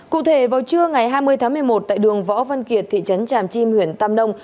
cụ thể vào trưa ngày hai mươi tháng một mươi một tại đường võ văn kiệt thị trấn tràm chim huyện tam nông